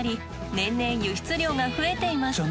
年々輸出量が増えています。